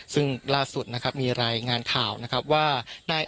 ซึ่งล่าสุดนะครับมีรายงานข่าวนะครับว่า